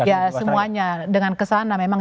ya semuanya dengan kesana memang